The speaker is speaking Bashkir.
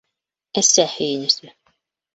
ӘСӘ ҺӨЙӨНӨСӨ